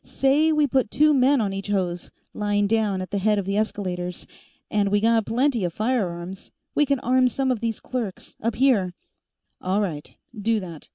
Say we put two men on each hose, lying down at the head of the escalators. And we got plenty of firearms; we can arm some of these clerks, up here " "All right; do that.